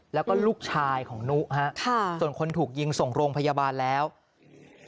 แล้วก็ลูกชายของนู้ฮะส่วนคนถูกยิงส่งโรงพยาบาลแล้วค่ะค่ะ